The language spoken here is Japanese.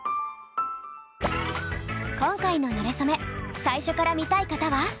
今回の「なれそめ」最初から見たい方は！